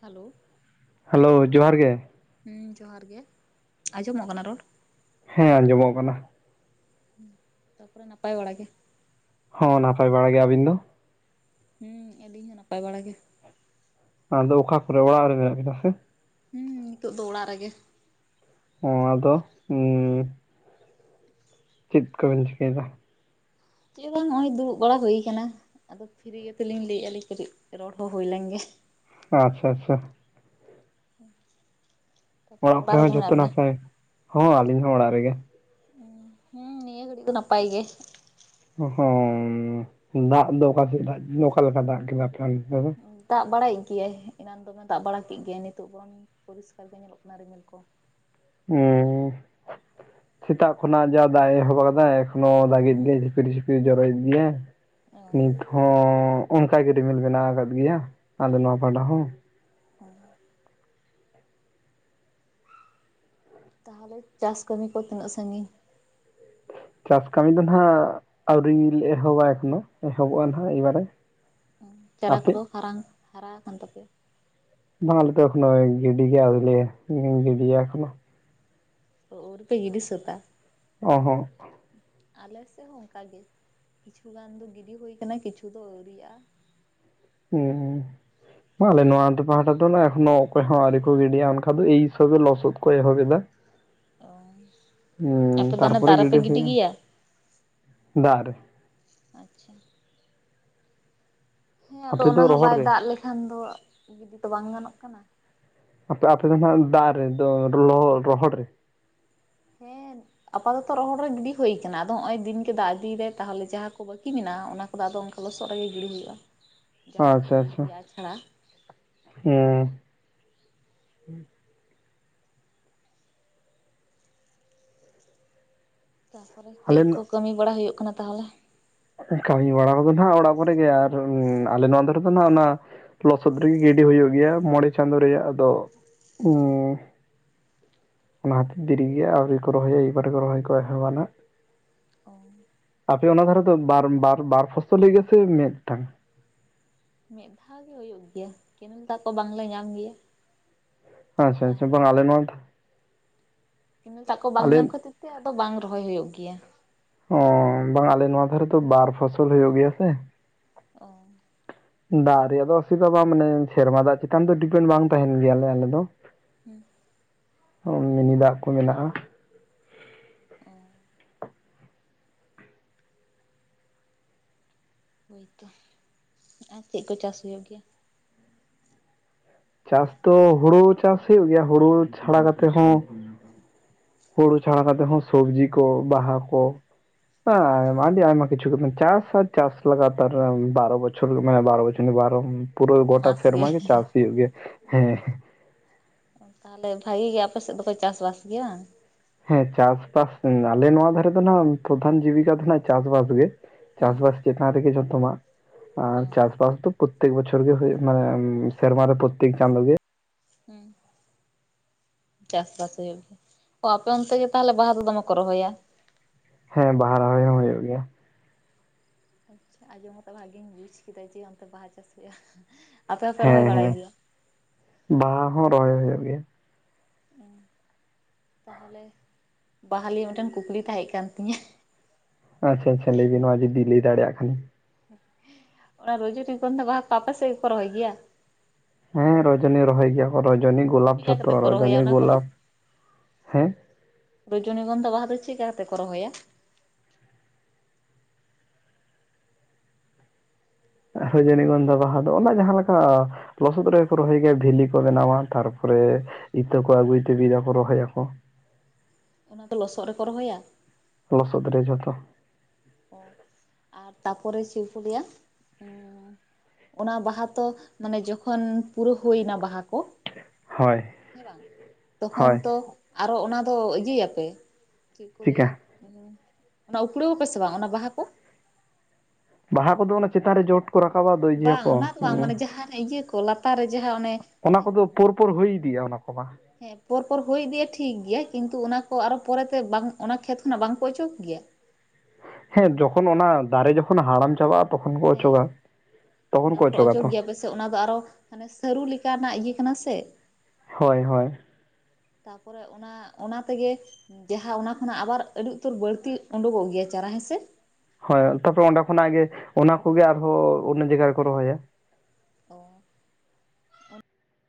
Hello hello ᱡᱚᱦᱟᱨ ᱜᱮ᱾ ᱦᱩᱸ ᱡᱚᱦᱟᱨ ᱜᱮ ᱟᱸᱡᱚᱢᱚᱜ ᱠᱟᱱᱟ ᱨᱚᱲ? ᱦᱮᱸ ᱟᱸᱡᱚᱢᱚᱜ ᱠᱟᱱᱟ᱾ ᱦᱩᱸ ᱛᱟᱯᱚᱨᱮ ᱱᱟᱯᱟᱭ ᱵᱟᱲᱟ ᱜᱮ? ᱦᱚ ᱱᱟᱯᱟᱭ ᱵᱟᱲᱟ ᱜᱮ᱾ ᱟᱵᱤᱱ ᱫᱚ? ᱦᱩᱸ ᱟᱹᱞᱤᱧ ᱦᱚᱸ ᱱᱟᱯᱟᱭ ᱵᱟᱲᱟ ᱜᱮ᱾ ᱟᱫᱚ ᱚᱠᱟ ᱠᱚᱨᱮ ᱚᱲᱟᱜ ᱨᱮ ᱢᱮᱱᱟᱜ ᱵᱤᱱᱟ ᱥᱮ? ᱦᱩᱸ ᱱᱤᱛᱚᱜ ᱫᱚ ᱚᱲᱟᱜ ᱨᱮᱜᱮ᱾ ᱦᱩᱸ ᱟᱫᱚ ᱩᱸᱻ ᱪᱮᱫ ᱠᱚᱵᱮᱱ ᱪᱤᱠᱟᱹᱭᱮᱫᱟ? ᱪᱮᱫ ᱵᱟᱝ ᱱᱚᱜ ᱚᱚᱭ ᱫᱩᱲᱩᱵ ᱵᱟᱲᱟ ᱦᱩᱭ ᱠᱟᱱᱟ ᱟᱫᱚ ᱯᱷᱤᱨᱤ ᱜᱮᱛᱚ ᱞᱤᱧ ᱞᱟᱹᱭᱮᱫᱼᱟ ᱞᱤᱧ ᱠᱟᱹᱴᱤᱡ ᱨᱚᱲ ᱦᱚᱸ ᱦᱩᱭ ᱞᱮᱱᱜᱮ᱾ ᱟᱪᱪᱷᱟ ᱟᱪᱪᱷᱟ᱾ ᱦᱩᱸ ᱚᱲᱟᱜ ᱠᱚᱨᱮ ᱦᱚᱸ ᱡᱷᱚᱛᱚ ᱱᱟᱥᱟᱭ ᱦᱚᱸ ᱟᱹᱞᱤᱧ ᱦᱚᱸ ᱚᱲᱟᱜ ᱨᱮᱜᱮ ᱦ ᱦᱩᱸ ᱱᱤᱭᱟᱹ ᱜᱷᱟᱹᱲᱤ ᱫᱚ ᱱᱟᱯᱟᱭ ᱜᱮ ᱦ ᱫᱟᱜ ᱫᱚ ᱚᱠᱟ ᱥᱮᱫ ᱫᱟᱜ ᱚᱠᱟᱞᱮᱠᱟ ᱫᱟᱜ ᱠᱮᱫᱟ [unintelligible] ᱫᱟᱜ ᱵᱟᱲᱟᱭᱮᱫ ᱜᱮᱭᱟᱭ ᱮᱱᱟᱱ ᱫᱚᱢᱮ ᱫᱟᱜ ᱵᱟᱲᱟ ᱠᱮᱫ ᱜᱮᱭᱟᱭ ᱱᱤᱛᱚᱜ ᱵᱚᱨᱚᱝ ᱯᱚᱨᱤᱥᱠᱟᱨ ᱜᱮ ᱧᱮᱞᱚᱜ ᱠᱟᱱᱟ ᱨᱤᱢᱤᱞ ᱠᱚ ᱚᱻ ᱥᱮᱛᱟᱜ ᱠᱷᱚᱱᱟᱜ ᱡᱟ ᱫᱟᱜ ᱮ ᱮᱦᱚᱵ ᱠᱟᱫᱟᱭ ᱦᱚ ᱫᱟᱜᱮᱫ ᱦᱮᱸ ᱜᱮᱭᱟᱭ ᱡᱷᱤᱯᱤᱨ ᱡᱷᱤᱯᱤᱨ ᱡᱚᱨᱚᱭᱮᱫ ᱜᱮᱭᱟ ᱚ ᱱᱤᱛ ᱦᱚᱸᱻ ᱚᱱᱠᱟ ᱜᱮ ᱨᱤᱢᱤᱞ ᱵᱮᱱᱟᱣ ᱟᱠᱟᱫ ᱜᱮᱭᱟ ᱟᱞᱮ ᱱᱚᱣᱟ ᱯᱟᱦᱴᱟ ᱦᱚᱸ ᱦᱩᱸ ᱛᱟᱦᱚᱞᱮ ᱪᱟᱥ ᱠᱟᱹᱢᱤ ᱠᱚ ᱛᱤᱱᱟᱹᱜ ᱥᱟᱺᱜᱤᱧ ᱪᱟᱥ ᱠᱟᱹᱢᱤ ᱫᱚ ᱱᱟᱦᱟᱜ ᱟᱹᱣᱨᱤ ᱞᱮ ᱮᱦᱚᱵᱟ ᱮᱠᱷᱚᱱᱳ ᱮᱦᱚᱵᱚᱜᱼᱟ ᱱᱟᱦᱟᱜ ᱮᱭᱵᱟᱨᱮ ᱪᱟᱨᱟ ᱠᱚᱫᱚ ᱦᱟᱨᱝ ᱦᱟᱨᱟ ᱟᱠᱟᱱ ᱛᱟᱯᱮᱭᱟ ᱵᱟᱝ ᱟᱞᱮ ᱫᱚ ᱮᱠᱷᱱᱳ ᱜᱤᱰᱤ ᱜᱮ ᱣᱨᱤᱞᱮ ᱜᱤᱰᱤ ᱭᱟ ᱮᱠᱷᱚᱱᱳ ᱛᱚ ᱣᱨᱤ ᱯᱮ ᱜᱰᱤ ᱥᱟᱹᱛᱟ ᱚ ᱦᱚᱸ ᱟᱞᱮ ᱥᱮᱫ ᱦᱚᱸ ᱚᱝᱠᱟ ᱜᱮ ᱠᱤᱪᱷᱩ ᱜᱟᱱ ᱫᱚ ᱜᱤᱰᱤ ᱦᱩᱭ ᱠᱟᱱᱟ ᱠᱤᱪᱷᱩ ᱫᱚ ᱟᱹᱣᱨᱤᱜᱼᱟ ᱦᱮᱸ ᱦᱮᱸ ᱟᱞᱮ ᱱᱚᱣᱟᱛᱮ ᱯᱟᱦᱴᱟ ᱫᱚ ᱮᱠᱷᱚᱱᱳ ᱚᱠᱚᱭ ᱦᱚᱸ ᱟᱹᱣᱨᱤ ᱠᱚ ᱜᱤᱰᱤᱭᱟ ᱮᱱᱠᱷᱟᱱ ᱫᱚ ᱮ ᱦᱤᱥᱟᱹᱵᱮ ᱞᱚᱥᱚᱫ ᱠᱚ ᱮᱦᱚᱵ ᱮᱫᱟ ᱚ ᱟᱯᱮ ᱦᱩᱸ ᱫᱚ ᱚᱱᱮ ᱛᱟᱨᱯᱚᱨᱮ ᱫᱟᱜ ᱨᱮ ᱯᱮ ᱜᱤᱰᱤ ᱦᱩᱭᱩᱜᱼᱟ ᱜᱮᱭᱟ ᱫᱟᱜ ᱨᱮ ᱟᱪᱪᱷᱟ ᱦᱮᱸ ᱟᱫᱚ ᱟᱯᱮ ᱚᱱᱟ ᱫᱚ ᱦᱚᱸ ᱨᱚᱦᱚᱲ ᱵᱟᱭ ᱨᱮ ᱫᱟᱜ ᱞᱮᱠᱷᱟᱱ ᱫᱚ ᱜᱤᱰᱤ ᱛᱚ ᱵᱟᱝ ᱜᱟᱱᱚᱜ ᱠᱟᱱᱟ ᱟᱯᱮ ᱟᱯᱮ ᱫᱚ ᱱᱟᱜ ᱫᱟᱜ ᱨᱮ ᱫᱚ ᱨᱚᱦᱚᱲ ᱨᱮ ᱦᱮᱸ ᱟᱯᱟᱛᱚᱛᱚ ᱨᱚᱦᱚᱲ ᱨᱮ ᱜᱤᱰᱤ ᱦᱩᱭ ᱠᱟᱱᱟ ᱟᱫᱚ ᱱᱚᱜ ᱚᱭ ᱫᱤᱱ ᱜᱮ ᱫᱟᱜ ᱤᱫᱤᱭ ᱫᱟᱭ ᱛᱟᱦᱚᱞᱮ ᱡᱟᱦᱟᱸ ᱠᱚ ᱵᱠᱤ ᱢᱮᱱᱟᱜᱼᱟ ᱚᱱᱟ ᱠᱚ ᱫᱚ ᱚᱱᱠᱟ ᱞᱚᱥᱚᱫ ᱨᱮᱜᱮ ᱜᱤᱲᱤ ᱦᱩᱭᱩᱜᱼᱟ ᱡᱟᱦᱟᱸ ᱫᱚᱠᱚ ᱞᱟᱹᱭ ᱜᱮᱭᱟ ᱟᱪᱷᱟᱲᱟ ᱦᱮᱸ ᱛᱟᱯᱚᱨᱮ ᱟᱞᱮ ᱪᱮᱫ ᱠᱚ ᱠᱟᱹᱢᱤ ᱵᱟᱲᱟ ᱦᱩᱭᱩᱜ ᱠᱟᱱᱟ ᱛᱟᱦᱚᱞᱮ ᱠᱟᱹᱢᱤ ᱵᱟᱲᱟᱟ ᱠᱚᱫᱚ ᱱᱟᱜ ᱚᱲᱟᱜ ᱠᱚᱨᱮ ᱜᱮ ᱟᱨ ᱟᱞᱮ ᱱᱚᱣᱟ ᱫᱷᱟᱨᱮ ᱫᱚ ᱱᱟᱜ ᱚᱱᱟ ᱞᱚᱥᱚᱫ ᱨᱮᱜᱮ ᱜᱤᱰᱤ ᱦᱩᱭᱩᱜ ᱜᱮᱭᱟ ᱢᱚᱬᱮ ᱪᱟᱸᱫᱳ ᱨᱮᱭᱟᱜ ᱟᱫᱚ ᱚᱱᱟ ᱦᱚᱛᱤ ᱫᱮᱨᱤᱜᱮ ᱟᱨᱣᱮ ᱠᱚ ᱨᱚᱦᱚᱭᱟ ᱮᱭᱵᱟᱨᱮ ᱠᱚ ᱨᱚᱦᱚᱭ ᱠᱚ ᱮᱦᱚᱵᱟ ᱱᱟᱜ ᱚ ᱟᱯᱮ ᱚᱱᱟ ᱫᱷᱟᱨᱮ ᱫᱚ ᱵᱟᱨ ᱵᱟᱨ ᱯᱷᱚᱥᱚᱞ ᱦᱩᱭᱩᱜ ᱜᱮᱭᱟᱥᱮ ᱢᱤᱫᱴᱟᱝ ᱢᱤᱫ ᱫᱷᱟᱣᱜᱤ ᱦᱩᱭᱩᱜ ᱜᱮᱭᱟ ᱠᱮᱱᱮᱞ ᱫᱟᱠᱚ ᱵᱟᱝᱞᱮ ᱧᱟᱢ ᱜᱮᱭᱟ ᱟᱪᱪᱷᱟ ᱟᱪᱪᱷᱟ ᱵᱟᱝ ᱛᱟᱦᱚᱞᱮ ᱟᱞᱮ ᱱᱚᱣᱟ ᱤᱱᱟᱹ ᱫᱟᱜ ᱠᱚ ᱵᱟᱝ ᱟᱞᱮ ᱧᱟᱢ ᱠᱷᱟᱹᱛᱤᱨ ᱛᱮ ᱟᱫᱚ ᱵᱟᱝ ᱨᱚᱦᱚᱭ ᱦᱩᱭᱩᱜ ᱜᱮᱭᱟ ᱚ ᱵᱟᱝ ᱟᱞᱮ ᱱᱚᱣᱟ ᱫᱷᱟᱨᱮ ᱛᱚ ᱵᱟᱨ ᱯᱷᱚᱥᱚᱞ ᱦᱩᱭᱩᱜ ᱜᱮᱭᱟ ᱥᱮ ᱚ ᱫᱟᱜ ᱨᱮᱭᱟᱜ ᱫᱚ ᱚᱥᱩᱵᱤᱫᱟ ᱵᱟᱝ ᱢᱟᱱᱮ ᱥᱮᱨᱢᱟ ᱫᱟᱜ ᱪᱮᱛᱟᱱ ᱫᱚ ᱰᱤᱯᱮᱱᱰ ᱵᱟᱝ ᱛᱟᱦᱮᱱ ᱜᱮᱭᱟᱞᱮ ᱟᱞᱮ ᱫᱚ ᱦᱮᱸ ᱢᱤᱱᱤ ᱫᱟᱜ ᱠᱚ ᱢᱮᱱᱟᱜᱼᱟ ᱚ ᱦᱳᱭᱛᱚ ᱟᱨ ᱪᱮᱫ ᱠᱚ ᱪᱟᱥ ᱦᱩᱭᱩᱜ ᱜᱮᱭᱟ ᱪᱟᱥ ᱛᱚ ᱦᱩᱲᱩ ᱪᱟᱥ ᱦᱩᱭᱩᱜ ᱜᱮᱭᱟ ᱦᱩᱲᱩ ᱪᱷᱟᱲᱟ ᱠᱟᱛᱮᱫ ᱦᱚᱸ ᱦᱩᱲᱩ ᱪᱷᱟᱲᱟ ᱠᱟᱛᱮᱫ ᱦᱚᱸ ᱥᱚᱵᱡᱤ ᱠᱚ ᱵᱟᱦᱟ ᱠᱚ ᱦᱟᱸ ᱟᱹᱰᱤ ᱟᱭᱢᱟ ᱠᱤᱪᱩ ᱪᱟᱥ ᱟ ᱪᱟᱥ ᱞᱟᱜᱟ ᱛᱟᱨ ᱵᱟᱨᱚ ᱵᱪᱷᱚᱨ ᱢᱟᱱᱮ ᱵᱟᱨᱚ ᱵᱚᱪ ᱵᱟᱨᱚ ᱯᱩᱨᱟᱹ ᱜᱚᱴᱟ ᱥᱮᱨᱢᱟ ᱜᱮ ᱪᱟᱥ ᱦᱩᱭᱩᱜ ᱜᱮᱭᱟ ᱦᱮᱸ ᱦᱮᱸ᱾ ᱛᱟᱦᱚᱞᱮ ᱵᱷᱟᱜᱤ ᱜᱮ ᱟᱯᱮ ᱥᱮᱫ ᱫᱚᱯᱮ ᱪᱟᱥᱵᱟᱥ ᱜᱮᱭᱟ? ᱦᱮᱸ ᱪᱟᱥᱵᱟᱥ ᱟᱞᱮ ᱱᱚᱣᱟ ᱫᱷᱟᱨᱮ ᱫᱚ ᱱᱟᱜ ᱯᱨᱚᱫᱷᱟᱱ ᱡᱤᱵᱤᱠᱟ ᱫᱚ ᱱᱟᱜ ᱪᱟᱥᱵᱟᱥ ᱜᱮ᱾ ᱦᱩᱸ ᱪᱟᱥᱵᱟᱥ ᱪᱮᱛᱟᱱ ᱨᱮᱜᱮ ᱡᱚᱛᱚᱢᱟᱜ ᱚ ᱟᱨ ᱪᱟᱥᱵᱟᱥ ᱫᱚ ᱯᱳᱛᱛᱮᱠ ᱵᱚᱪᱚᱨ ᱜᱮ ᱦᱩᱭ ᱢᱟᱱᱮ ᱥᱮᱨᱢᱟ ᱨᱮ ᱯᱳᱛᱛᱮᱠ ᱪᱟᱸᱫᱳ ᱜᱮ ᱦᱩᱸ ᱪᱟᱥᱵᱟᱥ ᱦᱩᱭᱩᱜ ᱜᱮᱭᱟ ᱚ ᱟᱯᱮ ᱚᱱᱛᱮ ᱜᱮ ᱛᱟᱦᱚᱞᱮ ᱵᱟᱦᱟ ᱫᱚ ᱫᱚᱢᱮ ᱠᱚ ᱨᱚᱦᱚᱭᱟ? ᱦᱮᱸ ᱵᱟᱦᱟ ᱨᱚᱦᱚᱭ ᱦᱚᱸ ᱦᱳᱭᱳᱜ ᱜᱮᱭᱟ᱾ ᱟᱪᱪᱷᱟ ᱟᱸᱡᱚᱢ ᱠᱟᱛᱮ ᱵᱷᱟᱜᱤᱧ ᱵᱩᱡ ᱠᱮᱫᱟ ᱡᱮ ᱚᱱᱛᱮ ᱵᱟᱦᱟ ᱪᱟᱥ ᱦᱩᱭᱩᱜᱼᱟ ᱟᱯᱮ ᱦᱚᱸᱯᱮ ᱨᱚᱦᱚᱭ ᱦᱮᱸ ᱵᱟᱲᱟᱭ ᱦᱮᱸ ᱜᱮᱭᱟ? ᱵᱟᱦᱟ ᱦᱚᱸ ᱨᱚᱦᱚᱭ ᱦᱚᱭᱳᱜ ᱜᱮᱭᱟ᱾ ᱚᱸ ᱛᱟᱦᱚᱞᱮ ᱵᱟᱦᱟᱞᱤᱭᱟ. ᱢᱤᱫᱴᱮᱱ ᱠᱩᱠᱞᱤ ᱛᱟᱦᱮᱸ ᱠᱟᱱ ᱛᱤᱧᱟᱹ᱾ ᱟᱪᱪᱷᱟ ᱟᱪᱪᱷᱟ ᱞᱟ. ᱭ ᱵᱤᱱ ᱱᱚᱣᱟ ᱡᱩᱫᱤ ᱞᱟᱹᱭᱫᱟᱲᱮᱭᱟᱜ ᱠᱷᱟᱱᱮ᱾ ᱚᱱᱟ ᱨᱚᱡᱚᱱᱤ ᱜᱟᱱᱫᱷᱟ ᱵᱟᱦᱟ ᱠᱚ ᱟᱯᱮ ᱥᱮᱫ ᱜᱮᱠᱚ ᱨᱚᱦᱚᱭ ᱜᱮᱭᱟ? ᱦᱮᱸ ᱨᱚᱡᱚᱱᱤ ᱨᱚᱦᱚᱭ ᱜᱮᱭᱟ ᱨᱚᱡᱚᱱᱤ ᱜᱳᱞᱟᱯ ᱪᱮᱫᱠᱟ ᱠᱟᱛᱮ ᱡᱷᱚᱛᱚ ᱠᱚ ᱨᱚᱦᱚᱭᱟ ᱨᱚᱡᱚᱱᱤ ᱚᱱᱟ ᱠᱚᱫᱚ ᱜᱳᱞᱟᱯ ᱦᱮᱸ ᱨᱚᱡᱚᱱᱤ ᱜᱚᱱᱫᱷᱟ ᱵᱟᱦᱟ ᱫᱚ ᱪᱮᱫ ᱞᱮᱠᱟ ᱠᱟᱛᱮ ᱠᱚ ᱨᱚᱦᱚᱭᱟ? ᱨᱚᱡᱚᱱᱤᱜᱚᱱᱫᱷᱟ ᱵᱟᱦᱟ ᱫᱚ ᱚᱱᱟ ᱡᱟᱦᱟᱸ ᱞᱮᱠᱟ ᱞᱚᱥᱚᱫ ᱨᱮ ᱠᱚ ᱨᱚᱦᱚᱭ ᱜᱮᱭᱟ ᱵᱷᱮᱞᱤ ᱠᱚ ᱵᱮᱱᱟᱣᱟ ᱛᱟᱨᱯᱚᱨᱮ ᱤᱛᱟᱹ ᱠᱚ ᱟᱹᱜᱩᱭ ᱛᱮ ᱵᱤᱫᱟ ᱠᱚ ᱨᱚᱦᱚᱭᱟᱠᱚ᱾ ᱚᱱᱟ ᱫᱚ ᱞᱚᱥᱚᱫ ᱨᱮᱠᱚ ᱨᱚᱦᱚᱭᱟ? ᱞᱚᱥᱚᱫ ᱨᱮ ᱡᱷᱚᱛᱚ᱾ ᱚ ᱟᱨ ᱛᱟᱯᱚᱨᱮ ᱪᱮᱫ ᱠᱳ ᱞᱟ. ᱭᱟ ᱟᱸ ᱟᱸ ᱚᱱᱟ ᱵᱟᱦᱟ ᱛᱚ ᱢᱟᱱᱮ ᱡᱚᱠᱷᱚᱱ ᱯᱩᱨᱟᱹ ᱦᱩᱭᱱᱟ ᱵᱟᱦᱟ ᱠᱚ ᱦᱳᱭ ᱦᱮᱸ ᱵᱟᱝ ᱛᱚᱠᱷᱚᱱ ᱦᱳᱭ ᱛᱚ ᱟᱨᱚ ᱚᱱᱟ ᱫᱚ ᱤᱭᱟᱹᱭᱟᱯᱮ ᱪᱮᱫ ᱠᱚ ᱞᱟᱹᱭᱟ ᱪᱤᱠᱟ ᱚᱱᱟ ᱩᱯᱲᱟᱹᱣᱟᱯᱮ ᱥᱮ ᱵᱟᱝ ᱚᱱᱟ ᱵᱟᱦᱟ ᱠᱚ? ᱵᱟᱦᱟ ᱠᱚᱫᱚ ᱚᱱᱟ ᱪᱮᱛᱟᱱ ᱨᱮ ᱡᱚᱴ ᱠᱚ ᱨᱟᱠᱟᱵᱟ ᱵᱟᱹᱭ ᱵᱟᱝ ᱚᱱᱟ ᱫᱚ ᱵᱟᱝ ᱢᱟᱱᱮ ᱡᱟᱦᱟᱱ ᱤᱭᱟᱹ ᱠᱚ ᱞᱟᱛᱟᱨ ᱨᱮ ᱡᱟᱦᱟᱸ ᱚᱱᱮ ᱚᱱᱟ ᱠᱚᱫᱚ ᱯᱚᱨ ᱯᱚᱨ ᱦᱩᱭ ᱤᱫᱤᱜᱼᱟ ᱚᱱᱟ ᱠᱚᱢᱟ᱾ ᱦᱮᱸ ᱯᱚᱨ ᱯᱚᱨ ᱦᱩᱭᱤᱫᱤᱭᱟ ᱴᱷᱤᱠ ᱜᱮᱭᱟ ᱠᱤᱱᱛᱩ ᱚᱱᱟ ᱠᱚ ᱟᱨᱚ ᱯᱚᱨᱮᱛᱮ ᱵᱟᱝ ᱚᱱᱟ ᱠᱷᱮᱛ ᱠᱷᱚᱱᱟᱜ ᱵᱟᱝᱠᱚ ᱚᱪᱚᱜ ᱜᱮᱭᱟ? ᱦᱮᱸ ᱡᱚᱠᱷᱚᱱ ᱚᱱᱟ ᱫᱟᱨᱮ ᱡᱚᱠᱷᱚᱱ ᱦᱟᱲᱟᱢ ᱪᱟᱵᱟᱜᱼᱟ ᱛᱚᱠᱷᱚᱱ ᱠᱚ ᱦᱮᱸ ᱚᱪᱚᱜᱟ ᱛᱚᱠᱷᱚᱱ ᱠᱚ ᱛᱟᱯᱚᱨᱮ ᱚᱪᱚᱜᱟ ᱚᱪᱚᱜ ᱛᱚ᱾ ᱜᱮᱭᱟ ᱯᱮᱥᱮ ᱚᱱᱟ ᱫᱚ ᱟᱨᱚ ᱢᱟᱱᱮ ᱥᱟᱹᱨᱩ ᱞᱮᱠᱟᱱᱟᱜ ᱤᱭᱟᱹ ᱠᱟᱱᱟ ᱥᱮ ᱦᱳᱭ ᱦᱳᱭ ᱛᱟᱯᱚᱨᱮ ᱚᱱᱟ ᱚᱱᱟ ᱛᱮᱜᱮ ᱡᱟᱦᱟᱸ ᱚᱱᱟ ᱠᱷᱚᱱᱟᱜ ᱟᱵᱟᱨ ᱟᱹᱰᱤ ᱩᱛᱟᱹᱨ ᱵᱟᱹᱲᱛᱤ ᱩᱰᱩᱠᱚᱜ ᱜᱮᱭᱟ ᱪᱟᱨᱟ ᱦᱮᱸᱥᱮ? ᱦᱳᱭ ᱛᱟᱨᱯᱚᱨᱮ ᱚᱸᱰᱮ ᱠᱷᱚᱱᱟᱜ ᱜᱮ ᱚᱱᱟ ᱠᱚᱜᱮ ᱟᱨᱦᱚᱸ ᱚᱱᱚ ᱡᱟᱭᱜᱟ ᱨᱮᱠᱚ ᱨᱚᱦᱚᱭᱟ᱾ ᱚ ᱚᱱ